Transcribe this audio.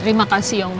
terima kasih yung